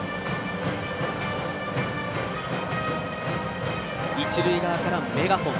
一塁側からメガホン。